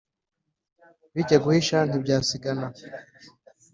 bijya guhisha ntibyasigana